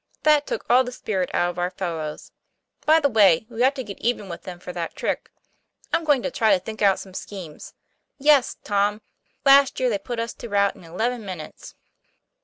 That took all the spirit out of our fellows. By the way, we ought to get even with them for that trick. I'm going to try to think out some scheme. Yes, Tom; last year they put us to rout in eleven minutes."